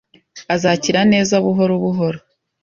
Azakira neza buhoro buhoro